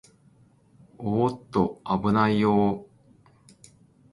おーっと、あぶないよー